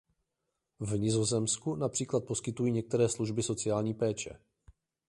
V Nizozemsku například poskytují některé služby sociální péče.